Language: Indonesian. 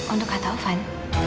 untuk kak taufan